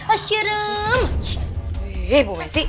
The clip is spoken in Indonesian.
eh bu messi